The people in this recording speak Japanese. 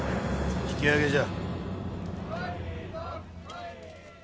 引き揚げじゃ。